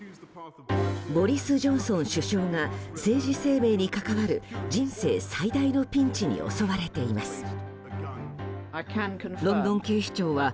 ボリス・ジョンソン首相が政治生命に関わる人生最大のピンチに襲われています。